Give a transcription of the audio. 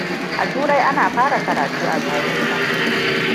A Turai, ana fara karatu a Satumba.